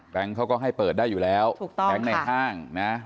แบงค์เขาก็ให้เปิดได้อยู่แล้วแบงค์ในห้างนะ